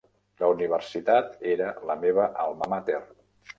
La universitat era la meva "alma mater".